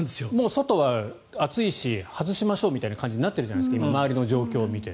外は暑いし外しましょうとなってるじゃないですか周りの状況を見て。